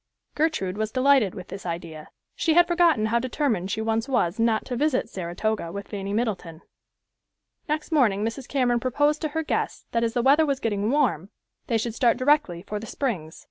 Gertrude was delighted with this idea. She had forgotten how determined she once was not to visit Saratoga with Fanny Middleton. Next morning Mrs. Cameron proposed to her guests that as the weather was getting warm, they should start directly for the Springs.